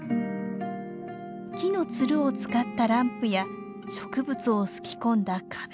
木のつるを使ったランプや植物をすき込んだ壁紙。